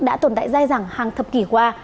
đã tồn tại dài dẳng hàng thập kỷ qua